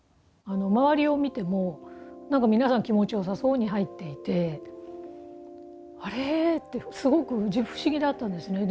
周りを見ても何か皆さん気持ちよさそうに入っていてあれってすごく不思議だったんですね。